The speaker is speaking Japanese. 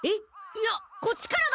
いやこっちからだ！